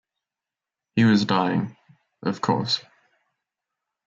He was dying, of course...